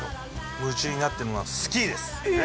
夢中になってるのはスキーですえ